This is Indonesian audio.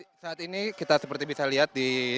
ya saat ini kita seperti bisa lihat di